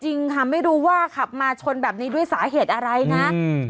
จริงค่ะไม่รู้ว่าขับมาชนแบบนี้ด้วยสาเหตุอะไรนะอืม